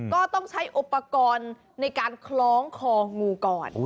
ก็ต้องใช้อุปกรณ์ในการคล้องคองูก่อน